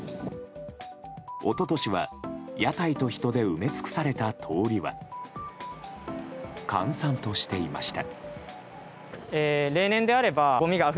一昨年は、屋台と人で埋め尽くされた通りは閑散としていました。